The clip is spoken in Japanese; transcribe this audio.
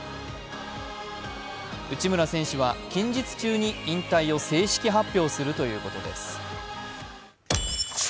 内村選手は近日中に引退を正式発表するということです。